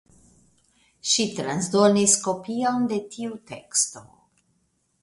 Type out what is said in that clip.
Ŝi transdonis kopion de tiu teksto.